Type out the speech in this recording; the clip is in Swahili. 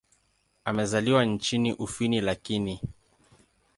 Amezaliwa nchini Ufini lakini.